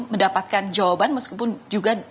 mendapatkan jawaban meskipun juga